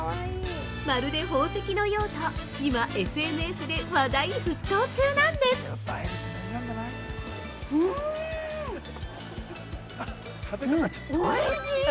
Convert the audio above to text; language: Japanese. まるで宝石のようと、今ＳＮＳで話題沸騰中なんです◆おいしい。